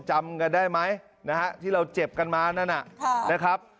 จำกันได้ไหมนะฮะที่เราเจ็บกันมานั่นนะครับ